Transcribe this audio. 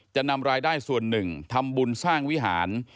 จะนำรายได้ส่วนหนึ่งทำบุญสร้างวิหาร